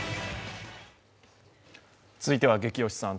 続いては「ゲキ推しさん」。